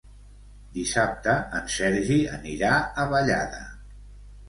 Dissabte en Sergi anirà a Vallada.